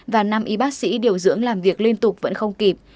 và năm y bác sĩ điều dưỡng làm việc liên tục vẫn không kịp